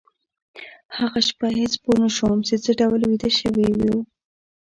هغه شپه هېڅ پوه نشوم چې څه ډول ویده شوي وو